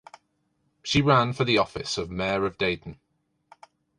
She ran for the office of mayor of Dayton.